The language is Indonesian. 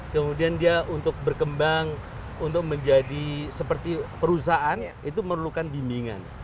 kemudian dia untuk berkembang untuk menjadi seperti perusahaan itu memerlukan bimbingan